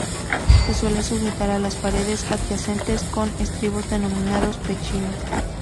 Se suele sujetar a las paredes adyacentes con estribos denominados pechinas.